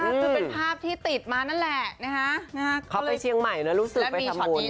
คือเป็นภาพที่ติดมานั่นแหละนะฮะเขาไปเชียงใหม่แล้วรู้สึกไปทำบุญ